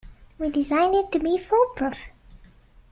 We designed it to be fool-proof.